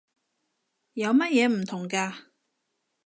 有乜嘢唔同嘅？